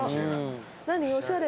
うん。何おしゃれ。